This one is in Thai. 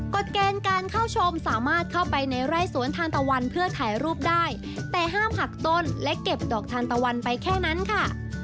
เกณฑ์การเข้าชมสามารถเข้าไปในไร่สวนทานตะวันเพื่อถ่ายรูปได้แต่ห้ามหักต้นและเก็บดอกทานตะวันไปแค่นั้นค่ะ